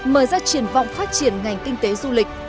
mở ra triển vọng phát triển ngành kinh tế du lịch